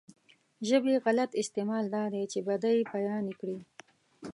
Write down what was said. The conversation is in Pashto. ژبې غلط استعمال دا دی چې بدۍ بيانې کړي.